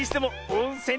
おんせん！